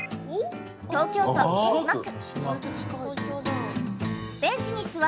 東京都豊島区。